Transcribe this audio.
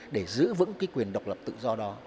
để giữ vững quyền độc lập tự do đó